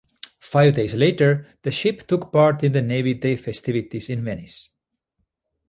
Five days later, the ship took part in the Navy Day festivities in Venice.